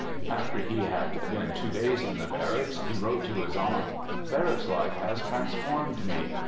After he had been two days in the barracks, he wrote to his aunt: " Barracks life has transformed me.